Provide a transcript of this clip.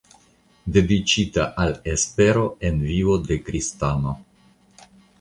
Dediĉita al espero en la vivo de kristano.